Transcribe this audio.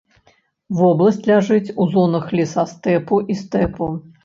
Вобласць ляжыць у зонах лесастэпу і стэпу.